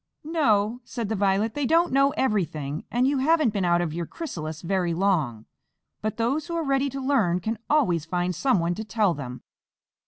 "No," said the Violet, "they don't know everything, and you haven't been out of your chrysalis very long. But those who are ready to learn can always find someone to tell them.